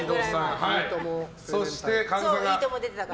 「いいとも！」出てたから。